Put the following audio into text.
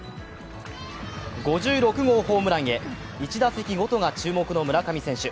５６号ホームランへ、１打席ごとが注目の村上選手。